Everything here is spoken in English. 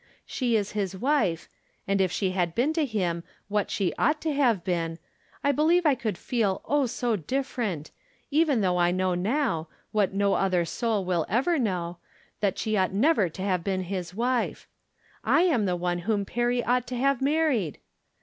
She is his wife, and if she had been to him what she ought to have been I believe I could feel, oh so different, even though I know now, what no otlier soul will ever know, that she ought never to have been his wife. I am the one whom Perry ought to have married